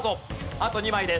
あと２枚です。